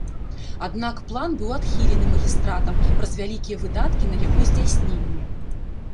Аднак план быў адхілены магістратам праз вялікія выдаткі на яго здзяйсненне.